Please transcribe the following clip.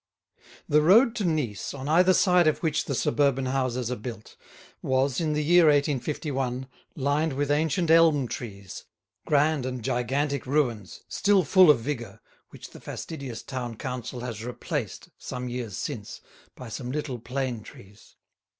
The road to Nice, on either side of which the suburban houses are built, was, in the year 1851, lined with ancient elm trees, grand and gigantic ruins, still full of vigour, which the fastidious town council has replaced, some years since, by some little plane trees.